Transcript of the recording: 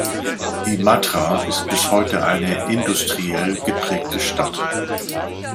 Imatra ist bis heute eine industriell geprägte Stadt.